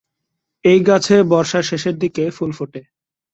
এই গাছে বর্ষার শেষের দিকে ফুল ফোটে।